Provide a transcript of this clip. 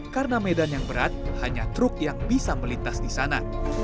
karena medan yang berat hanya truk yang bisa melintas di sana